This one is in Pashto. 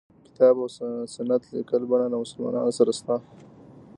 کتاب او سنت لیکلي بڼه له مسلمانانو سره شته.